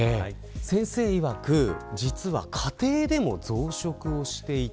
先生いわく、実は家庭でも増殖をしていて。